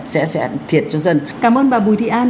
sẽ thiệt cho dân cảm ơn bà bùi thị an